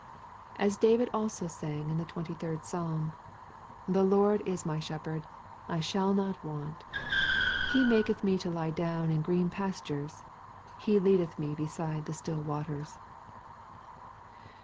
As David also sang in the twenty third Psalm: 'The Lord is my Shepherd, I shall not want. He maketh me to lie down in green pastures; He leadeth me beside the still waters.'